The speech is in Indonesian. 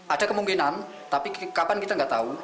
ada kemungkinan tapi kapan kita nggak tahu